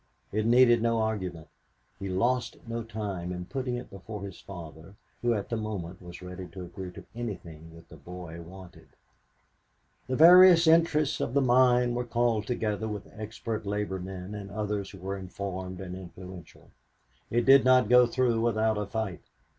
It needed no argument. He lost no time in putting it before his father, who at the moment was ready to agree to anything that the boy wanted. The various interests of the mine were called together with expert labor men and others who were informed and influential. It did not go through without a fight.